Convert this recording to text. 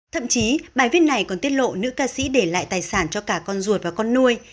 thậm chí bài viết này còn tiết lộ nữ ca sĩ để lại tài sản cho cả con ruột và con nuôi